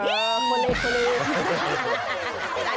เออมนตรี